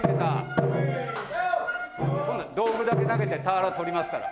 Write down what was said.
今度道具だけ投げて俵取りますから。